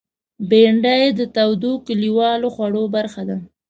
بېنډۍ د تودو کلیوالو خوړو برخه ده